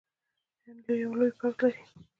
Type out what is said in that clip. هند یو لوی پوځ لري.